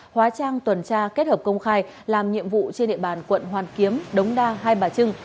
hóa trang tuần tra kết hợp công khai làm nhiệm vụ trên địa bàn quận hoàn kiếm đống đa hai bà trưng